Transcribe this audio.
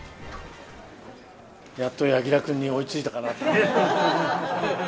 やっと柳楽君に追いついたかな。